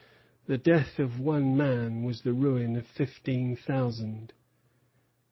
The death of one man was the ruin of fifteen thousand.